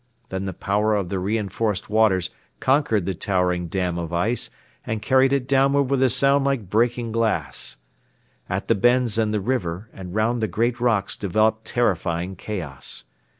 Then the power of the reinforced waters conquered the towering dam of ice and carried it downward with a sound like breaking glass. At the bends in the river and round the great rocks developed terrifying chaos.